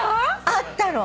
あったの。